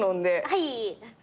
はい。